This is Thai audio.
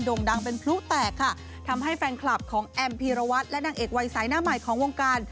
่งดังเป็นพลุแตกค่ะทำให้แฟนคลับของแอมพีรวัตรและนางเอกวัยสายหน้าใหม่ของวงการ